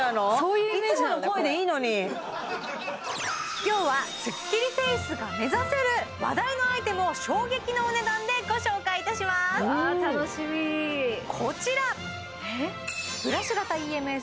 いつもの声でいいのに今日はスッキリフェイスが目指せる話題のアイテムを衝撃のお値段でご紹介いたしますわ楽しみこちらええ？